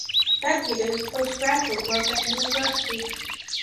Then he did his postgraduate work at the university.